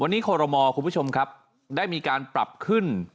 วันนี้คอรมอคุณผู้ชมครับได้มีการปรับขึ้น